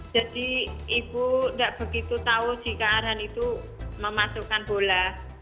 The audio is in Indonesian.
jadi ibu gak begitu tahu jika arhan itu memasukkan bola